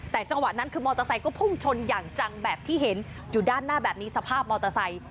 แต่จังหวะนั้นคือมอเตอร์ไซค์ก็พุ่งชนอย่างจังแบบที่เห็นอยู่ด้านหน้าแบบนี้สภาพมอเตอร์ไซค์